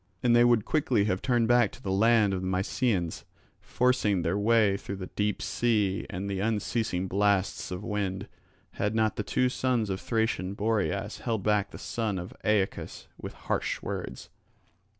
And they would quickly have turned back to the land of the Mysians, forcing their way through the deep sea and the unceasing blasts of the wind, had not the two sons of Thracian Boreas held back the son of Aeacus with harsh words.